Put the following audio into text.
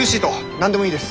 何でもいいです。